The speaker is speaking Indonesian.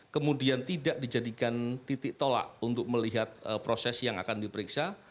kemudian tidak dijadikan titik tolak untuk melihat proses yang akan diperiksa